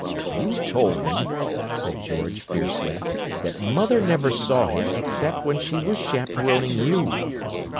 "You told me," said George, fiercely, "that mother never saw him except when she was chaperoning you."